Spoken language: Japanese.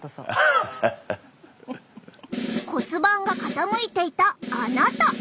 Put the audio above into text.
骨盤が傾いていたあなた。